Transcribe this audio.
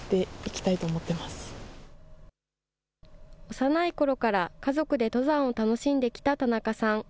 幼いころから家族で登山を楽しんできた田中さん。